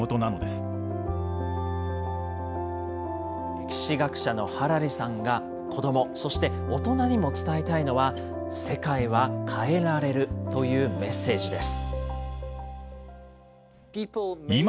歴史学者のハラリさんが子ども、そして大人にも伝えたいのは、世界は変えられるというメッセージです。